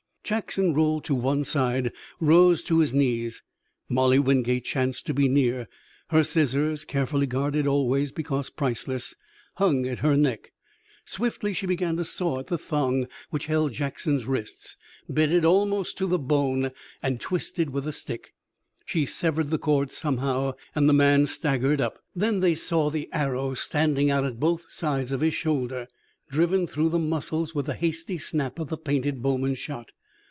Jackson rolled to one side, rose to his knees. Molly Wingate chanced to be near. Her scissors, carefully guarded always, because priceless, hung at her neck. Swiftly she began to saw at the thong which held Jackson's wrists, bedded almost to the bone and twisted with a stick. She severed the cord somehow and the man staggered up. Then they saw the arrow standing out at both sides of his shoulder, driven through the muscles with the hasty snap of the painted bowman's shot.